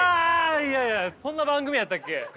いやいやそんな番組やったっけ。